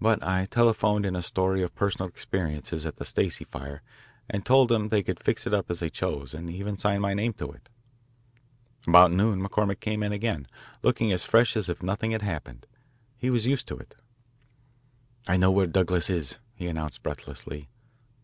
But I telephoned in a story of personal experiences at the Stacey fire and told them they could fix it up as they chose and even sign my name to it. About noon McCormick came in again, looking as fresh as if nothing had happened. He was used to it. "I know where Douglas is," he announced breathlessly.